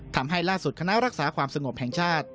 ทำให้ล่าสุดคณะรักษาความสงบแห่งชาติ